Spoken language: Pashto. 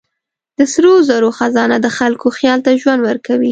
د سرو زرو خزانه د خلکو خیال ته ژوند ورکوي.